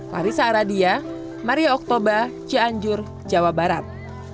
larissa aradia maria oktober cianjur jawa barat